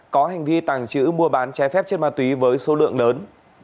có hành vi tàng trữ mua bán trái phép chất ma túy với số lượng lớn